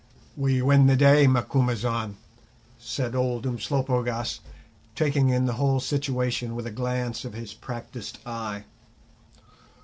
"We win the day, Macumazahn," said old Umslopogaas, taking in the whole situation with a glance of his practised eye.